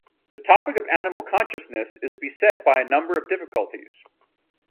The topic of animal consciousness is beset by a number of difficulties.